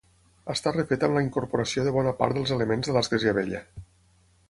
Està refeta amb la incorporació de bona part dels elements de l'església vella.